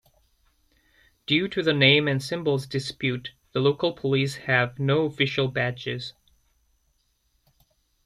Due to the name and symbols dispute, the local police have no official badges.